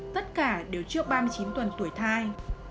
tất cả đều chưa ba mươi chín tuần tuổi thai